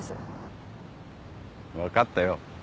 分かったよ。